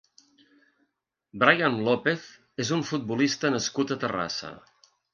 Brian López és un futbolista nascut a Terrassa.